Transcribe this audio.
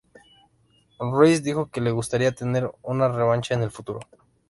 Ruiz dijo que le gustaría tener una revancha en el futuro.